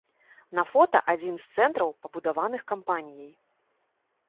На фота адзін з цэнтраў пабудаваных кампаніяй.